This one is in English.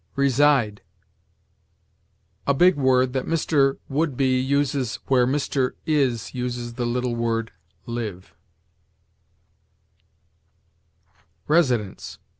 RESIDE. A big word that Mr. Wouldbe uses where Mr. Is uses the little word live. RESIDENCE.